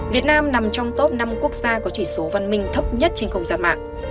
việt nam nằm trong top năm quốc gia có chỉ số văn minh thấp nhất trên không gian mạng